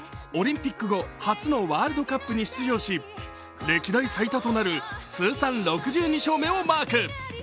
オリンピック後初のワールドカップに出場し、歴代最多となる通算６２勝目をマーク。